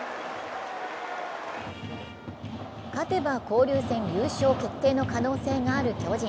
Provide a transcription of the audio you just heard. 勝てば交流戦優勝決定の可能性がある巨人。